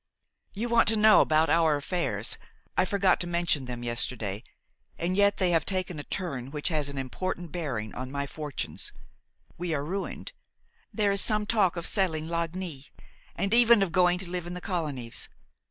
"You want to know about our affairs? I forgot to mention them yesterday, and yet they have taken a turn which has an important bearing on my fortunes. We are ruined. There is some talk of selling Lagny, and even of going to live in the colonies.